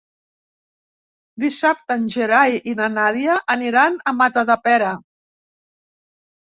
Dissabte en Gerai i na Nàdia aniran a Matadepera.